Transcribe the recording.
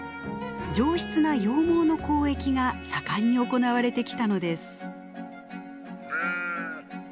上質な羊毛の交易が盛んに行われてきたのです。